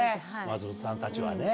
松本さんたちはね。